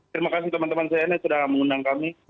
terima kasih teman teman saya net sudah mengundang kami